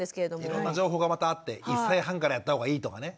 いろんな情報がまたあって１歳半からやった方がいいとかね。